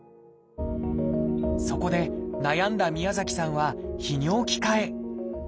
そこで悩んだ宮崎さんは泌尿器科へ。